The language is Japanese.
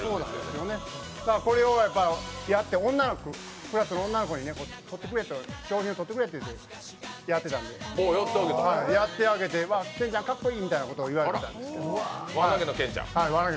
これをやって、クラスの女の子に賞品を取ってくれって言われてやってあげて、健ちゃんかっこいいみたいなことを言われてたんですけど。